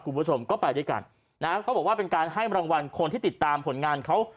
คุณผู้ชมก็ไปด้วยกันนะฮะเขาบอกว่าเป็นการให้รางวัลคนที่ติดตามผลงานเขา